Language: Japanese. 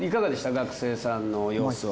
学生さんの様子は。